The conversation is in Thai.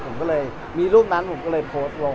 ผมก็เลยมีรูปนั้นผมก็เลยโพสต์ลง